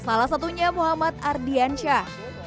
salah satunya muhammad ardian shah